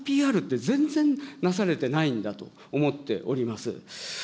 でも、そのＰＲって、全然なされてないんだと思っております。